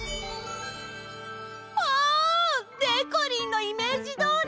わあ！でこりんのイメージどおり！